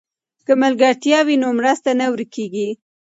که ملګرتیا وي نو مرسته نه ورکېږي.